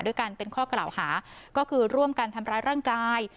กันเป็นข้อกล่าวหาก็คือร่วมกันทำร้ายร่างกาย